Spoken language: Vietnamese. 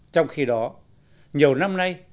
trong khi đó nhiều năm nay